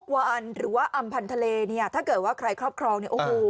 วานหรือว่าอำพันธเลเนี่ยถ้าเกิดว่าใครครอบครองเนี่ยโอ้โห